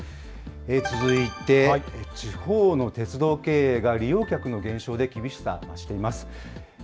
続いて、地方の鉄道経営が利用客の減少で厳しさ増しています。